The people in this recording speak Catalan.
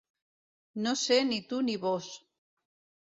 No ser ni tu ni vós.